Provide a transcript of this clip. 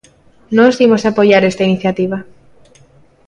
Nós imos apoiar esta iniciativa.